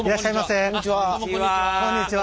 こんにちは。